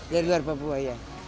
dari luar papua iya